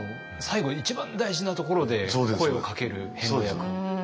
最後一番大事なところで声をかける遍路役。